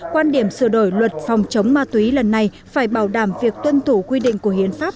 quan điểm sửa đổi luật phòng chống ma túy lần này phải bảo đảm việc tuân thủ quy định của hiến pháp